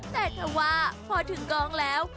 แต่เธอว่าพอถึงกองแล้ว